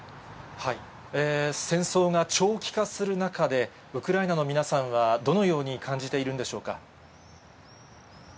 戦争が長期化する中で、ウクライナの皆さんは、どのように感じているんでしょうか。